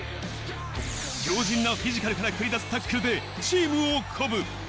強靭なフィジカルから繰り出すタックルでチームを鼓舞。